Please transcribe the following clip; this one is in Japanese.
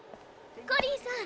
コリンさん